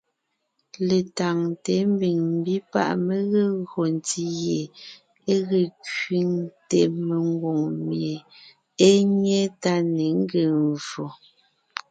Letáŋte ḿbiŋ ḿbí páʼ mé gee gÿo ntí gie e ge kẅiŋte mengwòŋ mie é nyé tá ne ńgee mvfò.